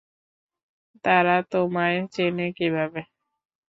তারা তোমায় চেনে কীভাবে?